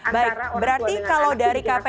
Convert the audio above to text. baik berarti kalau dari kpk